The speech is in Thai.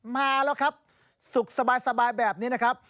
มาแล้วครับสุขสบายแบบนี้นะครับ